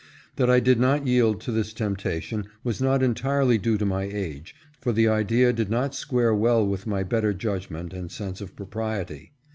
That I did not yield to this temptation was not entirely due to my age, for the idea did not square well with my better judgment and sense of propriety.